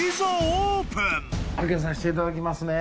開けさせていただきますね。